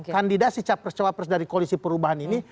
kandidasi capres cawapres dari koalisi perubahan ini